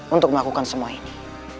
untuk melakukan semua ini